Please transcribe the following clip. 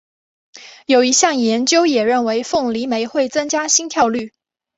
有一项研究也认为凤梨酶会增加心跳率。